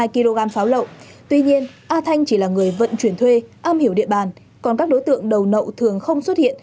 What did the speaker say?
một trăm ba mươi hai kg pháo lậu tuy nhiên a thanh chỉ là người vận chuyển thuê âm hiểu địa bàn còn các đối tượng đầu nậu thường không xuất hiện